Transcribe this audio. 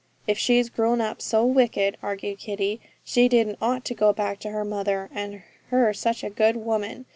'If she's grown up so wicked,' argued Kitty, 'she didn't ought to go back to her mother, and her such a good woman.